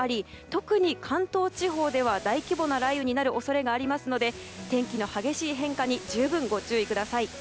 特に関東地方では大規模な雷雨になる恐れがありますので天気の激しい変化に十分ご注意ください。